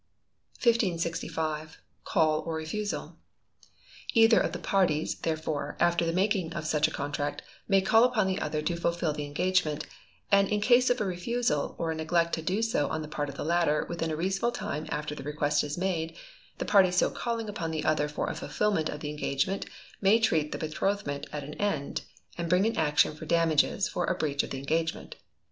_" 1565. Call or Refusal. "Either of the Parties, therefore, after the making of such a contract, may call upon the other to fulfil the engagement; and in case of a refusal, or a neglect so to do on the part of the latter within a reasonable time after the request made, the party so calling upon the other for a fulfilment of the engagement may treat the betrothment as at end, and bring an action for damages for a breach of the engagement.